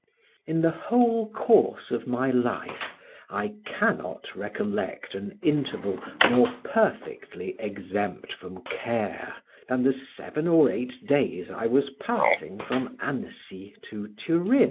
In the whole course of my life I cannot recollect an interval more perfectly exempt from care, than the seven or eight days I was passing from Annecy to Turin.